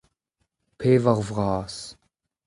Pevar vras.